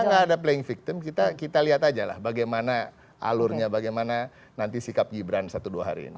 kalau nggak ada playing victim kita lihat aja lah bagaimana alurnya bagaimana nanti sikap gibran satu dua hari ini